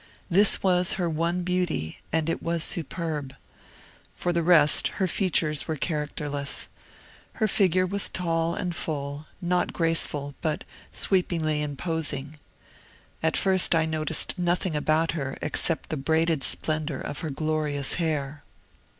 This was her one beauty, and it was superb. For the rest, her features were characterless. Her figure was tall and full; not graceful, but sweepingly imposing. At first I noticed nothing about her except the braided splendor of her glorious hair."